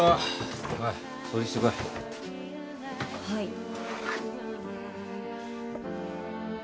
はい。